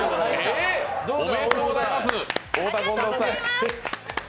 おめでとうございます。